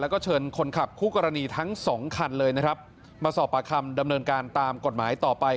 แล้วก็เชิญคนขับคู่กรณีทั้งสองคันเลยนะครับมาสอบปากคำดำเนินการตามกฎหมายต่อไป